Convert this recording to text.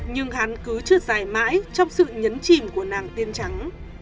nhưng hắn cứ chưa dài mãi trong sự nhấn chìm của nàng tiên trắng